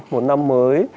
một năm mới